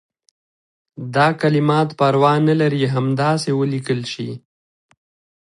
دا کلمات پروا نه لري همداسې ولیکل شي.